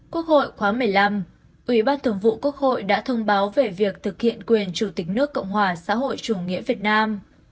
quốc hội khóa một mươi năm ủy ban thường vụ quốc hội đã thông báo về việc thực hiện quyền chủ tịch nước cộng hòa xã hội chủ nghĩa việt nam